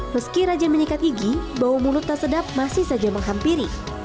meski rajin menyikat gigi bau mulut tak sedap masih saja menghampiri